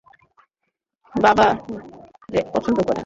বাবা রেডউড পছন্দ করতেন।